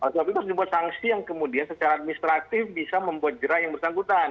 tapi harus dibuat sanksi yang kemudian secara administratif bisa membuat jerah yang bersangkutan